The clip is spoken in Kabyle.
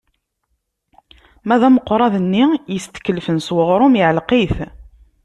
Ma d ameqrad-nni yestkellfen s uɣrum, iɛelleq-it.